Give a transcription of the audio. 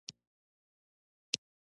د کدو بوټی په ځمکه خپریږي